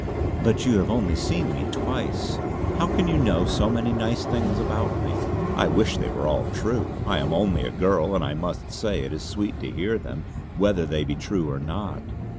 "But you have only seen me twice. How can you know so many nice things about me. I wish they were all true! I am only a girl; and I must say it is sweet to hear them, whether they be true or not.